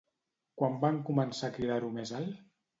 Quan van començar a cridar-ho més alt?